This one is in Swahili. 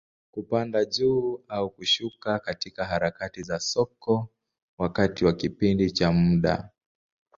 Kupanda juu au kushuka katika harakati za soko, wakati wa kipindi cha muda.